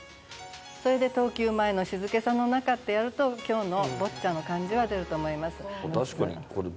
それで「投球前の静けさの中」ってやると今日のボッチャの感じは出ると思います。